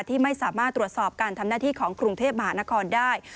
ที่ไม่สามารถตรวจสอบการทำหน้าที่ของกรุงเทพมหานครได้